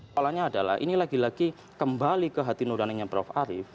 polanya adalah ini lagi lagi kembali ke hati nuraninya prof arief